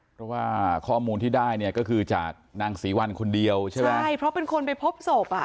เพราะว่าข้อมูลที่ได้เนี่ยก็คือจากนางศรีวัลคนเดียวใช่ไหมใช่เพราะเป็นคนไปพบศพอ่ะ